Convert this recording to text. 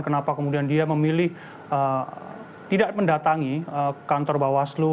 kenapa kemudian dia memilih tidak mendatangi kantor bawaslu